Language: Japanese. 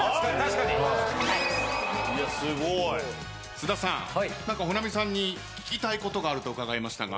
菅田さん保奈美さんに聞きたいことがあると伺いましたが。